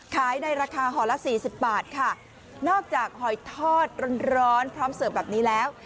ขายในราคาหอละ๔๐บาทค่ะนอกจากหอยทอดร้อนพร้อมเสิร์ฟแบบนี้แล้ว